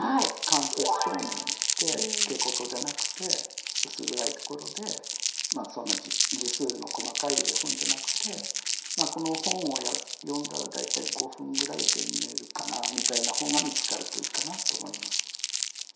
間接照明にして蛍光灯じゃなくて薄暗いところでそんな字数の細かい絵本じゃなくてこの本を読んだら大体５分ぐらいで寝るかなみたいな本が見つかるといいかなと思います。